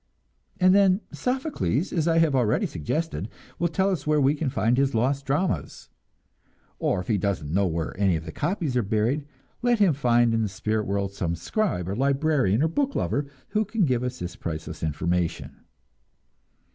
And then Sophocles, as I have already suggested, will tell us where we can find his lost dramas; or if he doesn't know where any copies are buried, let him find in the spirit world some scribe or librarian or book lover who can give us this priceless information.